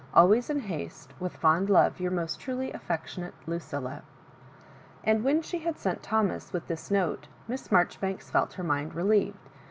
Always in haste, with fond love, your most truly affectionate Lucilla." And when she had sent Thomas with this note, Miss Marjoribanks felt her mind relieved.